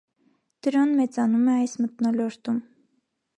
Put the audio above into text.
Դրոն մեծանում է այս մթնոլորտում։